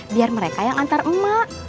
biar mereka yang antar emak